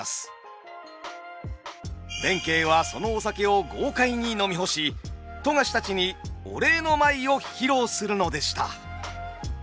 弁慶はそのお酒を豪快に飲み干し富樫たちにお礼の舞を披露するのでした。